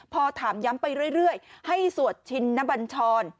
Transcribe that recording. พอถามย้ำไปเรื่อยให้สวดชินนบัญชร